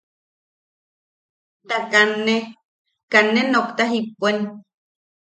Ta katne, katne nookta jippuen.